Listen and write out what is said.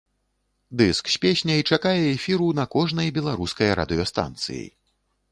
Дыск з песняй чакае эфіру на кожнай беларускай радыёстанцыі.